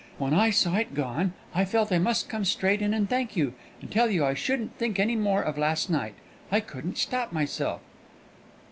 When I saw it gone, I felt I must come straight in and thank you, and tell you I shouldn't think any more of last night. I couldn't stop myself."